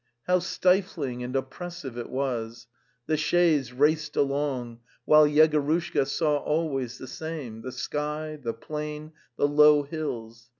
... How stifling and oppressive it was! The chaise raced along, while Yegorushka saw always the same — the sky, the plain, the low hills.